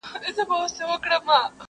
سړي وویل حاکمه ستا قربان سم٫